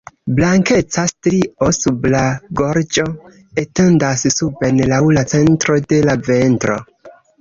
Blankeca strio sub la gorĝo etendas suben laŭ la centro de la ventro.